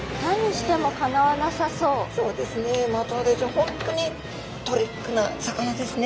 本当にトリックな魚ですね。